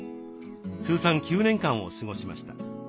通算９年間を過ごしました。